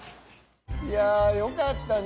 いやよかったね